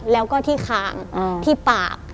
แล้วก็ที่คางที่ปาก